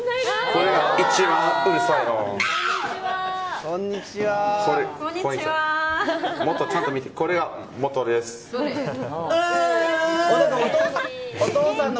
これが一番うるさいの。